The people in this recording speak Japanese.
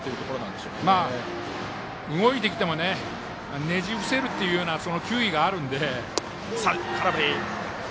まあ、動いてきてもねねじ伏せるというような球威があるので。